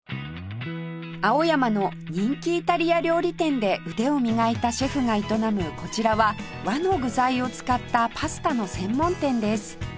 青山の人気イタリア料理店で腕を磨いたシェフが営むこちらは和の具材を使ったパスタの専門店です